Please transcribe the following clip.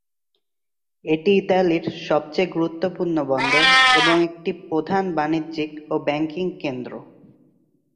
এটি ইতালির সবচেয়ে গুরুত্বপূর্ণ বন্দর এবং একটি প্রধান বাণিজ্যিক ও ব্যাংকিং কেন্দ্র।